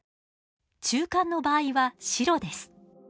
中間の場合は白です。